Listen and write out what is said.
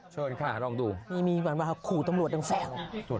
เชิญค่ะลองดูนี่มีเหมือนว่าขู่ตำรวจดังแสง